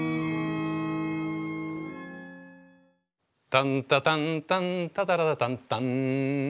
タンタタンタンタタタタタンタン。